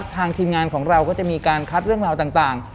ทีมงานของเราก็จะมีการคัดเรื่องราวต่าง